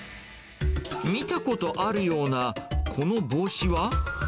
見たことあるようなこの帽子は？